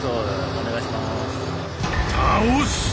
お願いします。